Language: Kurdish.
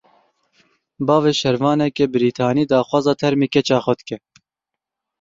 Bavê şervaneke Brîtanî daxwaza termê keça xwe dike.